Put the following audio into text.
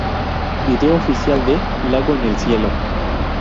Vídeo oficial de "Lago en el Cielo"